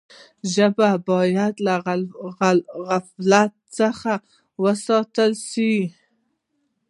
ژبه باید له غفلت څخه وساتل سي.